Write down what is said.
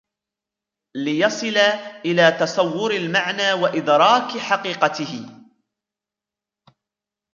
لِيَصِلَ إلَى تَصَوُّرِ الْمَعْنَى وَإِدْرَاكِ حَقِيقَتِهِ